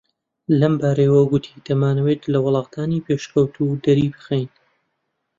لەمبارەیەوە گوتی دەمانەوێت لە وڵاتانی پێشکەوتوو دەری بخەین